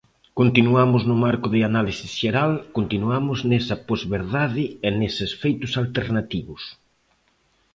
Continuamos no marco de análise xeral, continuamos nesa posverdade e nestes feitos alternativos.